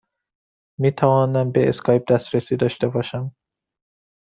می توانم به اسکایپ دسترسی داشته باشم؟